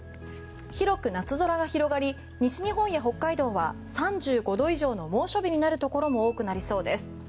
広く夏空が広がり西日本や北海道は３５度以上の猛暑日になるところも多くなりそうです。